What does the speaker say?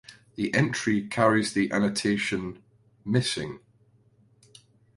The entry carries the annotation "Missing".